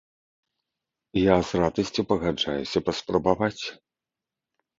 Я з радасцю пагаджаюся паспрабаваць.